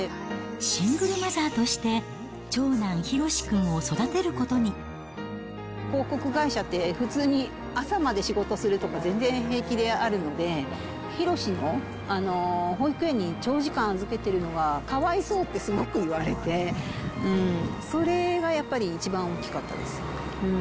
シングルマザーとして、長男、広告会社って、普通に朝まで仕事するとか全然平気であるので、ヒロシを保育園に長時間預けてるのがかわいそうってすごく言われて、それがやっぱり一番大きかったです。